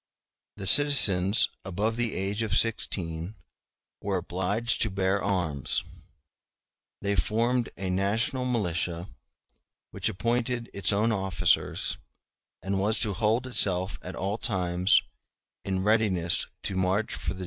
*c The citizens above the age of sixteen were obliged to bear arms; they formed a national militia, which appointed its own officers, and was to hold itself at all times in readiness to march for the defence of the country.